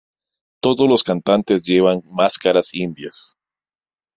Todos los cantantes llevan máscaras indias.